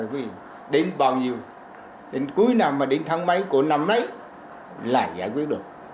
thì đến bao nhiêu đến cuối năm đến tháng mấy của năm đấy là giải quyết được